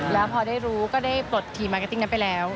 แล้วพอได้รู้ก็ได้ปลดทีมมาร์เกติ้งนั้นไปแล้ว